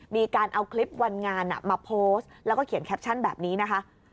มีการเอาคลิปวันงานมาโพสต์แล้วก็เขียนแคปชั่นแบบนี้นะคะ